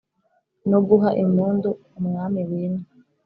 no guha impundu umwami wimye.